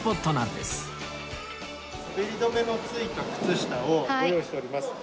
滑り止めのついた靴下をご用意しております。